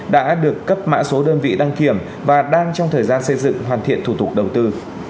đã được cấp mã số đơn vị đăng kiểm và đang trong thời gian xây dựng hoàn thiện thủ tục đầu tư